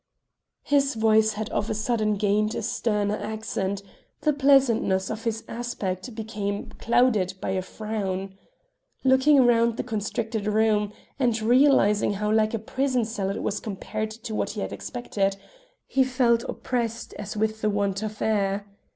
His voice had of a sudden gained a sterner accent; the pleasantness of his aspect became clouded by a frown. Looking round the constricted room, and realising how like a prison cell it was compared with what he had expected, he felt oppressed as with the want of air.